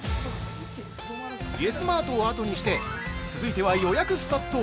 イエスマートを後にして続いては、予約殺到！